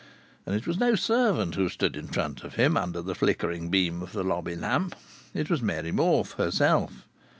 And it was no servant who stood in front of him, under the flickering beam of the lobby lamp. It was Mary Morfe herself.